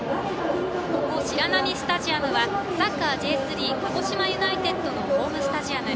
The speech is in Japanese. ここ白波スタジアムはサッカーＪ３鹿児島ユナイテッドのホームスタジアム。